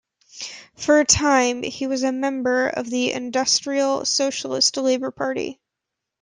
For a time he was a member of the Industrial Socialist Labor Party.